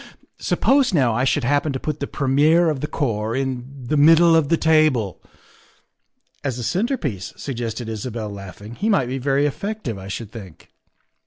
Suppose, now, I should happen to put the premier of the corps in the middle of the table. '' "As a centrepiece," suggested Isabel, laughing, " he might be very effective, I should think."